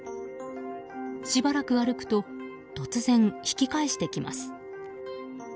しばらく歩くと、突然引き返してきます。